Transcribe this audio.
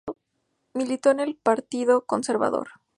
Militó en el Partido Conservador.